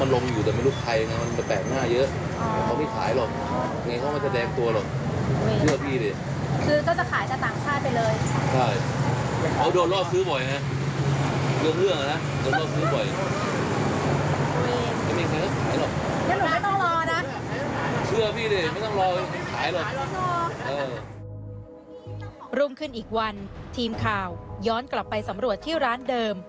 รุ่งขึ้นอีกวันทีมข่าวย้อนกลับไปสำรวจที่ร้านเดิม